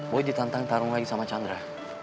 boy ditantang tarung lagi sama chandra